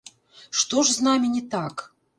Што ж з намі не так?